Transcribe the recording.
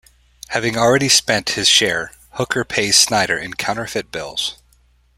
Having already spent his share, Hooker pays Snyder in counterfeit bills.